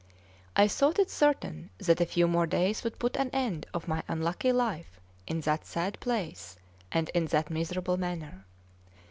I thought it certain that a few more days would put an end of my unlucky life in that sad place and in that miserable manner.